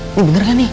ini bener kan nih